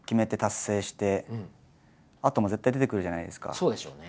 結局そうでしょうね。